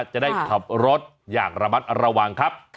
จะได้ขับรถอย่างระมัดระวังครับ